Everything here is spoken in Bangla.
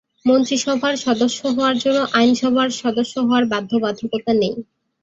মন্ত্রিসভার সদস্য হওয়ার জন্য আইনসভার সদস্য হওয়ার বাধ্যবাধকতা নেই।